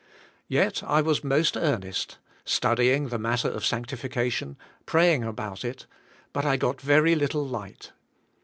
Yet I was most earnest, study ing the matter of sanctification, praying about it, but I g ot very little lig ht.